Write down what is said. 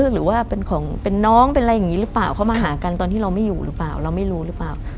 หรือว่าเป็นของเป็นน้องเป็นอะไรอย่างนี้หรือเปล่าเขามาหากันตอนที่เราไม่อยู่หรือเปล่าเราไม่รู้หรือเปล่า